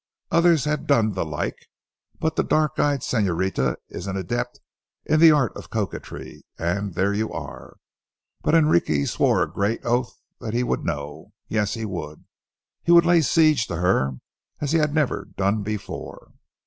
Others had done the like, but the dark eyed señorita is an adept in the art of coquetry, and there you are. But Enrique swore a great oath he would know. Yes, he would. He would lay siege to her as he had never done before.